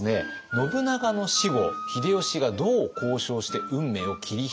信長の死後秀吉がどう交渉して運命を切り開いていったのか。